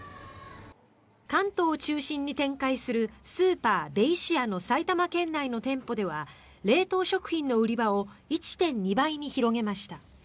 関東を中心に展開するスーパー、ベイシアの埼玉県内の店舗では冷凍食品の売り場を１．２倍に広げました。